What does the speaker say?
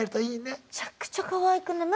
むちゃくちゃかわいくない？